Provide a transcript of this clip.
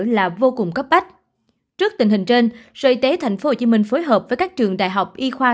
là vô cùng cấp bách trước tình hình trên sở y tế tp hcm phối hợp với các trường đại học y khoa